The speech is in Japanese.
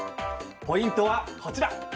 ポイントはこちら。